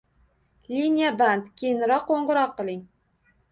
Liniya band, keyinroq qo'ng'iroq qiling.